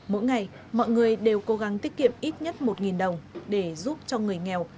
mỗi ngày mọi người đều cố gắng tiết kiệm ít nhất một đồng để giúp cho người nghèo